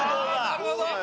なるほど！